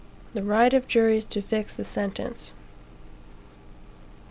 The Right of Juries to fix the Sentence.